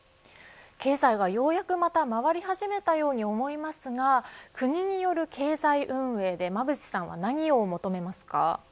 経済はようやく回り始めたように思いますが国による経済運営で馬渕さんは何を求めますか。